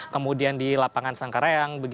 kemudian di lapangan sangkareang